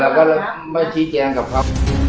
ก็ไม่ชี้แจงกับเขา